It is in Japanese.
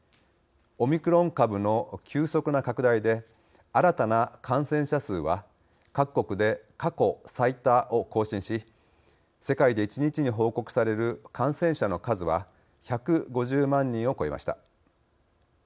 オミクロン株の急速な拡大で新たな感染者数は各国で過去最多を更新し、世界で１日に報告される感染者の数は１５０万人を超えました。